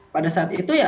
pada saat itu